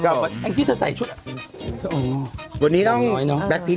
ครับผมนึกว่าวันนี้ต้องมั๊ยไม่รู้